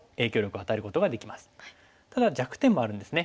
ただ弱点もあるんですね。